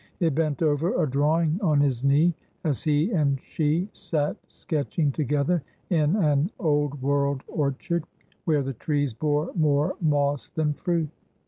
It bent over a drawing on his knee as he and she sat sketching together in an old world orchard, where the trees bore more moss than fruit.